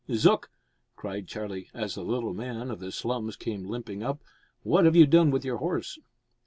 Zook," cried Charlie, as the little man of the slums came limping up, "what have you done with your horse?"